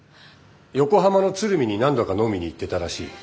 横浜の鶴見に何度か飲みに行ってたらしい。